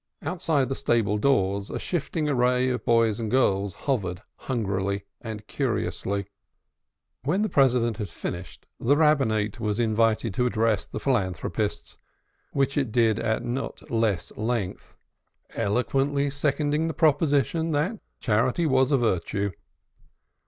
Outside the stable doors a shifting array of boys and girls hovered hungrily and curiously. When the President had finished, the Rabbinate was invited to address the philanthropists, which it did at not less length, eloquently seconding the proposition that charity was a virtue.